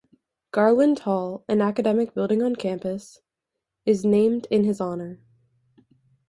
Garland Hall, an academic building on campus, is named in his honor.